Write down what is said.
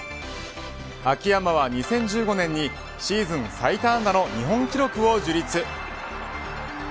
秋山は２０１５年にシーズン最多安打の日本記録を樹立。